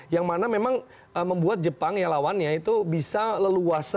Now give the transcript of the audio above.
yang mana memang membuat jepang ya lawannya itu bisa leluasa mengontrol pertandingan begitu ya